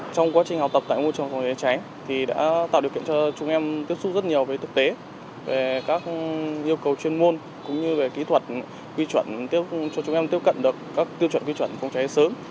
trong quá trình học tập tại ngôi trường phòng cháy cháy thì đã tạo điều kiện cho chúng em tiếp xúc rất nhiều về thực tế về các yêu cầu chuyên môn cũng như về kỹ thuật quy chuẩn cho chúng em tiếp cận được các tiêu chuẩn quy chuẩn phòng cháy sớm